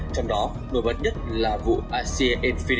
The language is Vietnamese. trong đó nổi bật nhất là vụ asia infine